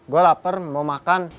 gue lapar mau makan